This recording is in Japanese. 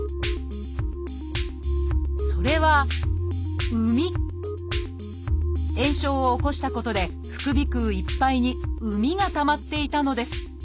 それは炎症を起こしたことで副鼻腔いっぱいに膿がたまっていたのです。